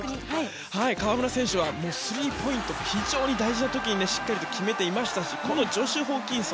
河村選手はスリーポイント非常に大事な時にしっかりと決めていましたし